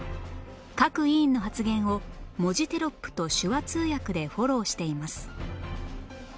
各委員の発言を文字テロップと手話通訳でフォローしています